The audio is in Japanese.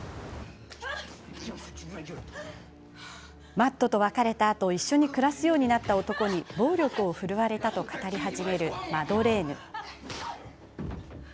マットと別れたあと一緒に暮らすようになった男に暴力を振るわれたと語り始めるマドレーヌ。